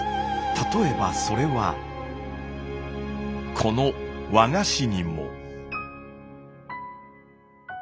例えばそれはこの和菓子にも。